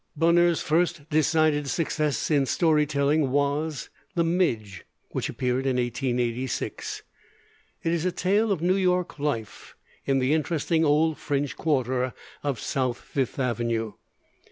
Bunner's first decided success in story telling was 'The Midge,' which appeared in 1886. It is a tale of New York life in the interesting old French quarter of South Fifth Avenue.